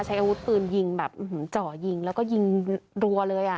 ใช้อาวุธปืนยิงแบบเจาะยิงแล้วก็ยิงรัวเลยอ่ะ